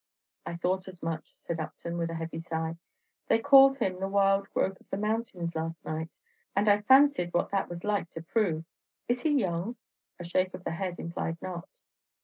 "I thought as much," said Upton, with a heavy sigh. "They called him the wild growth of the mountains last night, and I fancied what that was like to prove. Is he young?" A shake of the head implied not.